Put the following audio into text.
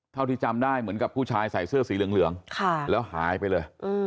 เท่าที่จำได้เหมือนกับผู้ชายใส่เสื้อสีเหลืองแล้วหายไปเลย